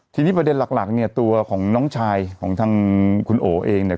ทีนี้ประเด็นหลักเนี่ยตัวของน้องชายของทางคุณโอเองเนี่ย